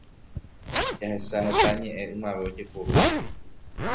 Jahecha heta ñe'ẽ ymave ojeporúva